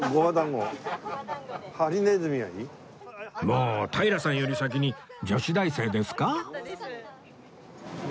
もう平さんより先に女子大生ですか？